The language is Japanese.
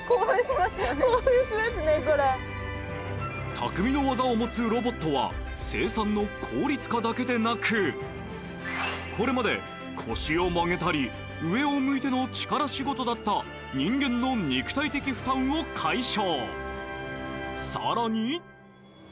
匠の技を持つロボットは生産の効率化だけでなくこれまで腰を曲げたり、上を向いたりの力仕事だった人間の肉体的負担を解消。